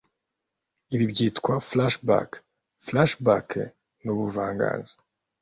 ibi byitwa flashback. flashback nubuvanganzo